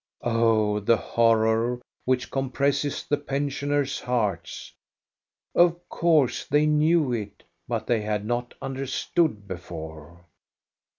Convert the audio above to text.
Oh, the horror which compresses the pensioners' hearts! Of course they knew it, but they had not under stood before.